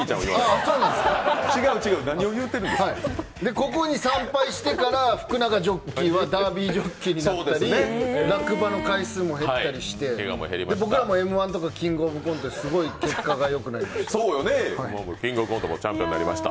ここに参拝してから福永ジョッキーはダービージョッキになったり落馬の回数も減ったりして僕らもＭ−１とかキングオブコントで結果がよくなりました。